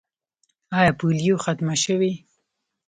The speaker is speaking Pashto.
آیا پولیو ختمه شوې؟